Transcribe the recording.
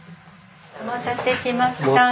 お待たせしました。